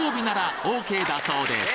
だそうです